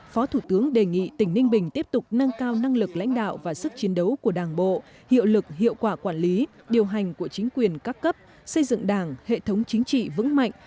phó thủ tướng đề nghị tỉnh ninh bình tiếp tục nâng cao năng lực lãnh đạo và sức chiến đấu của đảng bộ hiệu lực hiệu quả quản lý điều hành của chính quyền các cấp xây dựng đảng hệ thống chính trị vững mạnh